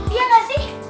iya gak sih